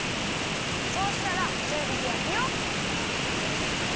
そうしたらちゅうびでやくよ！